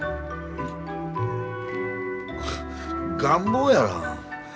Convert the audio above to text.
願望やら。